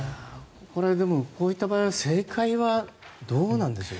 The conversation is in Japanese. でも、こういった場合は正解はどうなんでしょう。